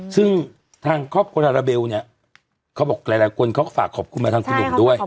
ซึ่งทางครอบครัวลาลาเบลเนี่ยเขาบอกหลายคนเขาก็ฝากขอบคุณมาทางคุณหนุ่มด้วย